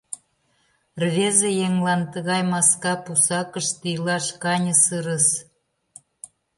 Рвезе еҥлан тыгай маска пусакыште илаш каньысырыс.